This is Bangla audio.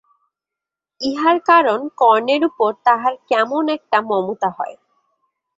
ইহার কারণ কর্ণের উপর তাহার কেমন একটা মমতা হয়।